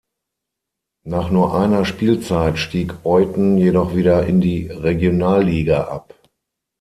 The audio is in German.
Nach nur einer Spielzeit stieg Oyten jedoch wieder in die Regionalliga ab.